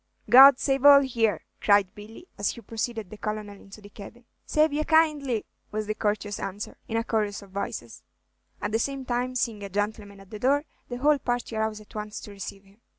"God save all here!" cried Billy, as he preceded the Colonel into the cabin. "Save ye kindly," was the courteous answer, in a chorus of voices; at the same time, seeing a gentleman at the door, the whole party arose at once to receive him.